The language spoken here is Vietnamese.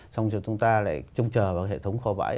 xong rồi chúng ta lại chung trở vào hệ thống kho vải